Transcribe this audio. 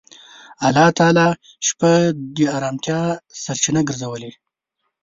الله تعالی شپه د آرامتیا سرچینه ګرځولې.